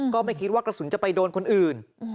ก็ไม่คิดว่ากระสุนจะไปโดนคนอื่น